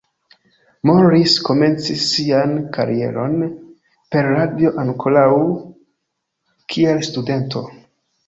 Morris komencis sian karieron per radio ankoraŭ kiel studento.